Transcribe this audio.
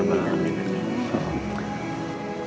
amin ya ya allah